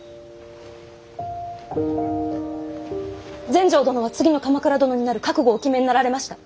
全成殿は次の鎌倉殿になる覚悟をお決めになられました。